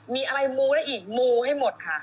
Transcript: มีอะไรมูได้อีกมูให้หมดค่ะ